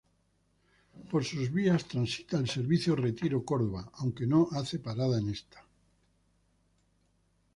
Por sus vías transita el servicio Retiro-Córdoba, aunque no hace parada en esta.